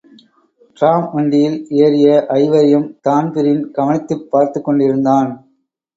DRAM வண்டியில் ஏறிய ஐவரையும் Dan Breen கவனித்துப் பார்த்துக்கொண்டிருந்தான்.